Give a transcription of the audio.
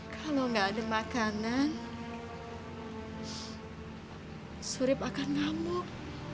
kalau nggak ada makanan surip akan ngamuk